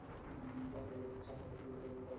আঙুলে ইনফেকশন হওয়ার পর তুমি অনেক পানি পান করতে?